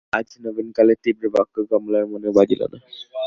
আজ নবীনকালীর তীব্রবাক্য কমলার মনেও বাজিল না।